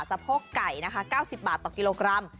สะโพกไก่นะคะ๙๐บาทต่อกิโลกรัม